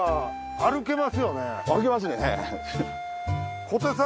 歩けますね。